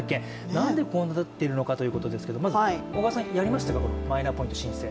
なんでこうなってるのかということですけど小川さん、やりましたか、マイナポイント申請。